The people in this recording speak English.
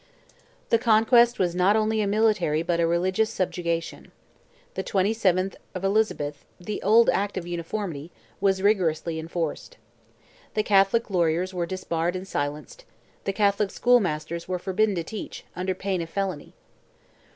The conquest was not only a military but a religious subjugation. The 27th of Elizabeth—the old act of uniformity—was rigorously enforced. The Catholic lawyers were disbarred and silenced; the Catholic schoolmasters were forbidden to teach, under pain of felony.